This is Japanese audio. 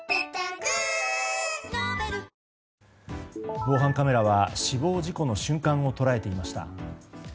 防犯カメラは死亡事故の瞬間を捉えていました。